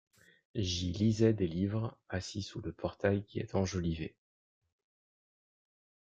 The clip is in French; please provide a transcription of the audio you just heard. J’y lisais des livres, assis sous le portail qui est enjolivé.